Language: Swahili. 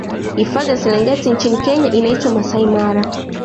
hifadhi ya serengeti nchini kenya inaitwa masai mara